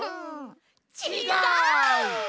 ちがう！